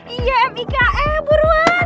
iya m i k e buruan